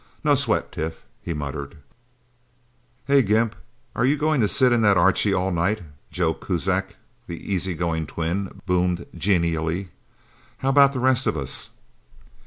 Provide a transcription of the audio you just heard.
"No sweat, Tif," he muttered. "Hey, Gimp are you going to sit in that Archie all night?" Joe Kuzak, the easy going twin, boomed genially. "How about the rest of us?"